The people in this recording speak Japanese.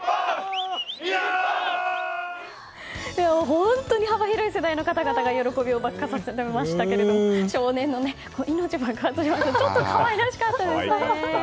本当に幅広い世代の方々が喜びを爆発させていましたけれども少年の命を爆発させましたが可愛らしかったですね。